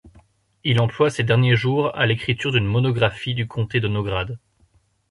Il emploie ses derniers jours à l'écriture d'une monographie du comté de Nógrád.